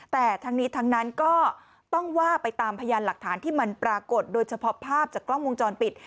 แต่ทั้งนี้ทั้งนั้นก็ต้องว่าไปตามพยานหลักฐานที่มันปรากฏโดยเฉพาะภาพจากกล้องวงจรปิด